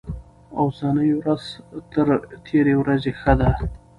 اوسنۍ ورځ تر تېرې ورځې ښه ده.